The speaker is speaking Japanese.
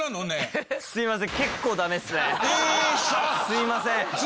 すいません。